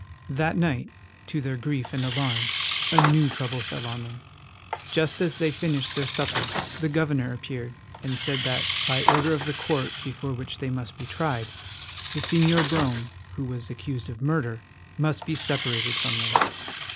That night, to their grief and alarm, a new trouble fell on them. Just as they finished their supper the governor appeared and said that, by order of the Court before which they must be tried, the Señor Brome, who was accused of murder, must be separated from them.